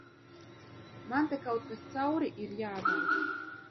Man te kaut kas cauri ir jāvelk?